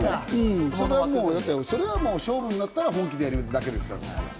それはもう勝負になったら本気にやるだけですから。